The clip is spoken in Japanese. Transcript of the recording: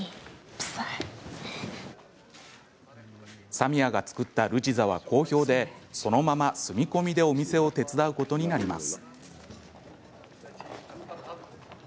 サミアが作ったルジザは好評でそのまま住み込みでお店を手伝うことになります。